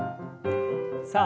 さあ